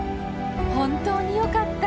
本当に良かった。